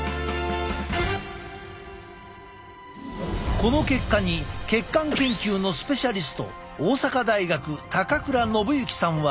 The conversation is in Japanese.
この結果に血管研究のスペシャリスト大阪大学倉伸幸さんは。